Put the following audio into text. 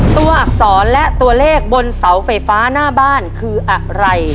ตัวอักษรและตัวเลขบนเสาไฟฟ้าหน้าบ้านคืออะไร